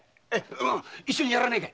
一緒にやらねえか。